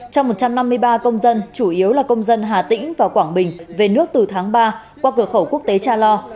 cho một trăm năm mươi ba công dân chủ yếu là công dân hà tĩnh và quảng bình về nước từ tháng ba qua cửa khẩu quốc tế cha lo